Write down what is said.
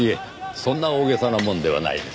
そんな大げさなものではないです。